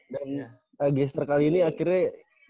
dan geser kali ini akhirnya